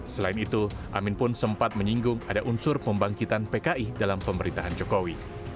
selain itu amin pun sempat menyinggung ada unsur pembangkitan pki dalam pemerintahan jokowi